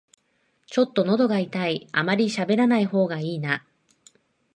ちょっとのどが痛い、あまりしゃべらない方がいいな